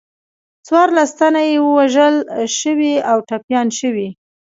څوارلس تنه یې وژل شوي او ټپیان شوي.